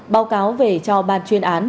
báo cáo về cho ban chuyên án